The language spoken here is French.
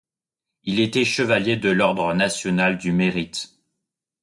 Il était chevalier de l'Ordre national du Mérite.